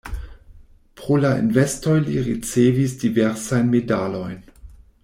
Pro la investoj li ricevis diversajn medalojn.